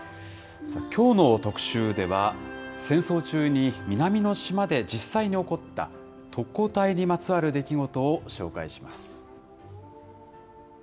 きょうの特集では、戦争中に南の島で実際に起こった、特攻隊にまつわる出来事を紹介します。